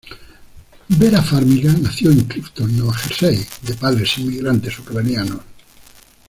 Vera Farmiga nació en Clifton, Nueva Jersey, de padres inmigrantes ucranianos.